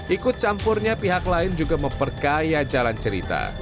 ikut campurnya pihak lain juga memperkaya jalan cerita